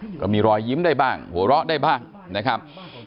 ก็มีรอยยิ้มได้บ้างหัวเราะได้บ้างนะครับ